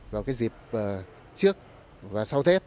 vào cái dịp trước và sau tết